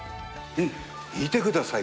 見てください